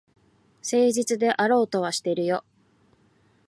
誠実であろうとはしてるよ。